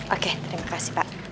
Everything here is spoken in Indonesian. oke terima kasih pak